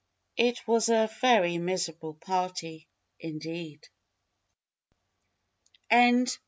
It was a very miserable party, indeed.